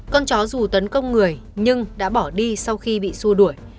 con chó dù tấn công người nhưng đã bỏ đi sau khi bị xua đuổi